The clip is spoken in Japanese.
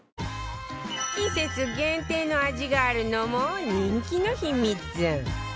季節限定の味があるのも人気の秘密